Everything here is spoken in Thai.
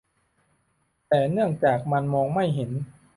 แต่เนื่องจากมันมองไม่เห็น